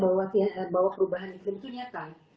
banyak orang yang tidak percaya bahwa perubahan iklim itu nyata